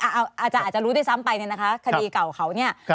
อาจารย์อาจารย์จะรู้ได้ซ้ำไปนะคะคดีเก่าเขานี่